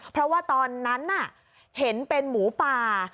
เพราะว่าตอนนั้นน่ะเห็นเป็นหมูป่า